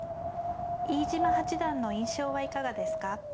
飯島八段の印象はいかがですか。